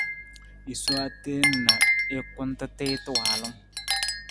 I sowa teen na i kunta tiita waalung.